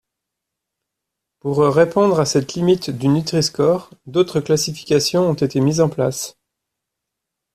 Pour répondre à cette limite du Nutri-Score, d'autres classifications ont été mises en place.